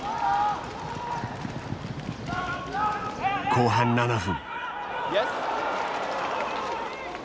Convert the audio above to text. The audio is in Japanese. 後半７分。